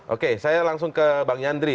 oke saya langsung ke bang yandri